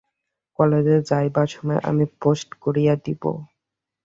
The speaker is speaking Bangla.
কলেজে যাইবার সময় আমি পোস্ট করিয়া দিব।